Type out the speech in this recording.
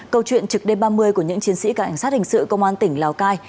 câu chuyện trực đêm ba mươi của những chiến sĩ cả cảnh sát hình sự công an tỉnh lào cai